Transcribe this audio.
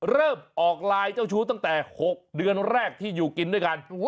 เริ่มออกไลน์เจ้าชู้ตั้งแต่๖เดือนแรกที่อยู่กินด้วยกัน